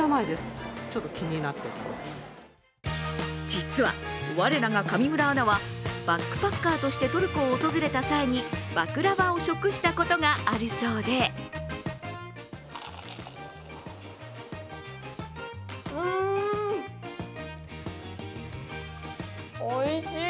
実は我らが上村アナはバックパッカーとしてトルコを訪れた際にバクラヴァを食したことがあるそうでうーん、おいしい。